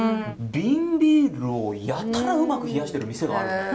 瓶ビールをやたらうまく冷やしてる店があるんですよ。